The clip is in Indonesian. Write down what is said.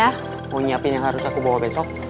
mau nyiapin yang harus aku bawa besok